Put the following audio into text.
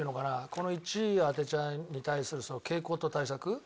この「１位を当てちゃ」に対する傾向と対策？